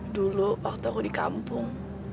dulu waktu aku di kampung